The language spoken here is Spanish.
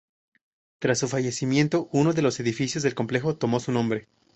Tras su fallecimiento, uno de los edificios del complejo tomó su nombre.